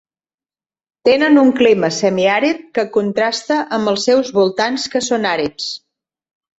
Tenen un clima semiàrid que contrasta amb els seus voltants que són àrids.